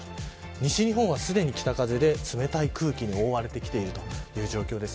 西日本はすでに北風で冷たい空気に覆われてきている状況です。